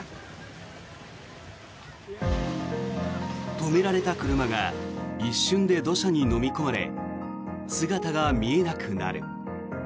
止められた車が一瞬で土砂にのみ込まれ姿が見えなくなる。